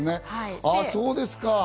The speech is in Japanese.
ああ、そうですか。